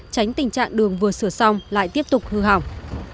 tránh tình trạng đường vừa sửa xong lại tiếp tục hư hỏng